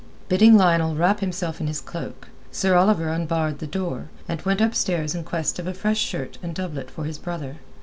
Bidding Lionel wrap himself in his cloak, Sir Oliver unbarred the door, and went upstairs in quest of a fresh shirt and doublet for his brother.